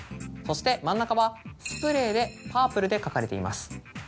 そして真ん中は「スプレー」で「パープル」で書かれています。